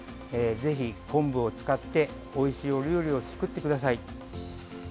ぜひ昆布を使っておいしいお料理を作ってください。